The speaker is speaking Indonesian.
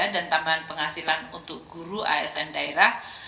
dan tambahan penghasilan untuk guru asn daerah